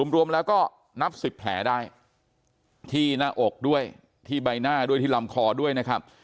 รวมแล้วก็นับ๑๐แผลได้ที่หน้าอกด้วยที่ใบหน้าด้วยที่ลำคอด้วยนะครับ